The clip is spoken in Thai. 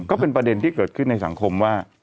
ก็เป็นประเด็นที่เกิดขึ้นในสังคมว่า